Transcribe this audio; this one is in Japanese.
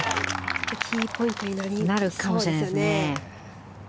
キーポイントになりそうですよね。